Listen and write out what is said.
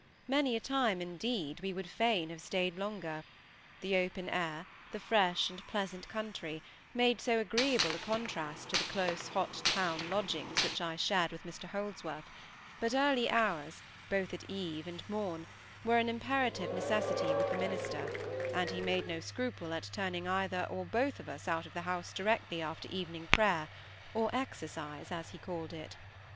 Many a time, indeed, we would fain have stayed longer—the open air, the fresh and pleasant country, made so agreeable a contrast to the close, hot town lodgings which I shared with Mr Holdsworth; but early hours, both at eve and morn, were an imperative necessity with the minister, and he made no scruple at turning either or both of us out of the house directly after evening prayer, or "exercise", as he called it.